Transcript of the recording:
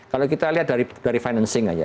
kalau kita lihat dari financing aja